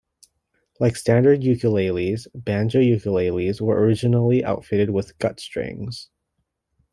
Like standard ukuleles, banjo ukuleles were originally outfitted with gut strings.